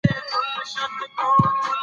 افغانستان کې د یاقوت د پرمختګ هڅې روانې دي.